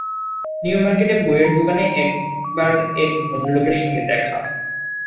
নিউমার্কেটে বইয়ের দোকানে এক বার এক ভদ্রলোকের সঙ্গে দেখা!